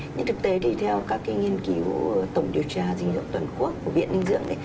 nhưng thực tế thì theo các nghiên cứu tổng điều tra dinh dụng toàn quốc của viện ninh dưỡng